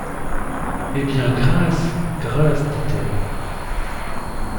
Eh! bien, grâce ! grâce, dit-elle.